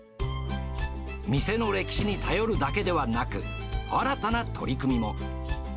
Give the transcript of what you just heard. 店の歴史に頼るだけではなく、新たな取り組みも。